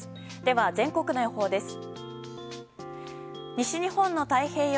では、全国の予報です。